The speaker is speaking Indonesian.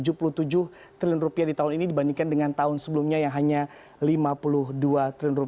rp tujuh puluh tujuh triliun di tahun ini dibandingkan dengan tahun sebelumnya yang hanya rp lima puluh dua triliun